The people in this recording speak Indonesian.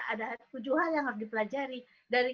ada tujuh hal yang harus dipelajari dari